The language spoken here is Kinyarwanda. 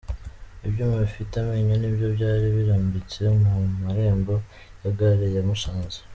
Ibyuma bifite amenyo nibyo byari birambitse mu marembo ya gare ya Musanze.